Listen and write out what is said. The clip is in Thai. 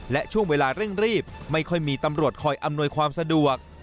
และช่วงเวลาเร่งรีบไม่ค่อยมีตำรวจคอยอำนวยความสะดวก